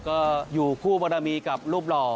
ก็อยู่คู่บรมีกับรูปหล่อ